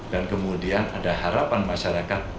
dan kemudian ada harapan masyarakat